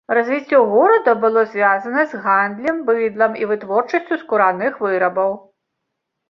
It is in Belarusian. Развіццё горада было звязана з гандлем быдлам і вытворчасцю скураных вырабаў.